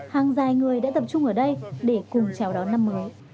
hàng dài người đã tập trung ở đây để cùng chào đón năm mới